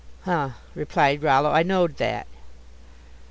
"Huh," replied Rollo, "I knowed that."